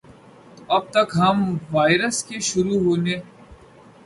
تو اب تک ہم وائرس کے شروع ہونے